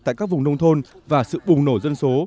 tại các vùng nông thôn và sự bùng nổ dân số